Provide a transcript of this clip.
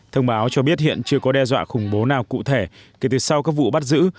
thông báo cho biết hiện chưa có đe dọa khủng bố nào cụ thể kể từ sau các vụ bắt giữ